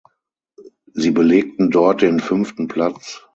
Sie belegten dort den fünften Platz.